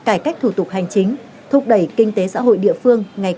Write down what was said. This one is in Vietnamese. cải cách phương trình cấp phương trình cấp phương trình